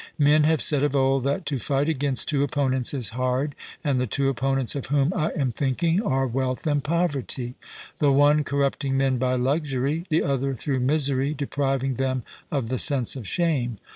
Men have said of old, that to fight against two opponents is hard; and the two opponents of whom I am thinking are wealth and poverty the one corrupting men by luxury; the other, through misery, depriving them of the sense of shame.